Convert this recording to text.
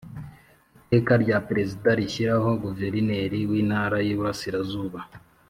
Iteka rya Perezida rishyiraho Guverineri w Intara y Iburasirazuba